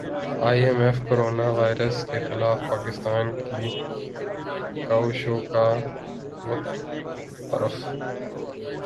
ائی M F corona virus کے خلاف پاکستان کی کاوشوں کا معترف